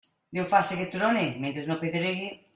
Déu faça que trone, mentre no pedregue.